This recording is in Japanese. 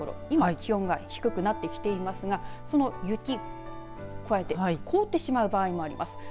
今、気温が低くなっていますがその雪、加えて凍ってしまう場合もあります。